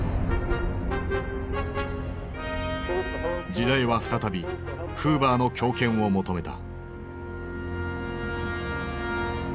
時代は再びフーバーの強権を求めた。